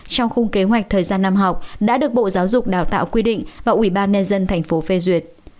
trong khung kế hoạch thời gian năm học đã được bộ giáo dục đào tạo quy định và ủy ban nhân dân tp phê duyệt